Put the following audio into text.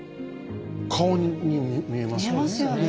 顔に見えますよね。